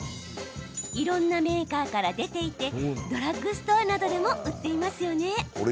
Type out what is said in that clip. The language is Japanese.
いろんなメーカーから出ていてドラッグストアなどでも売っていますよね。